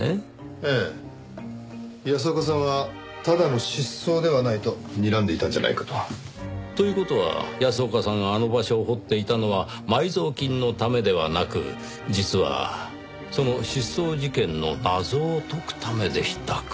安岡さんはただの失踪ではないとにらんでいたんじゃないかと。という事は安岡さんがあの場所を掘っていたのは埋蔵金のためではなく実はその失踪事件の謎を解くためでしたか。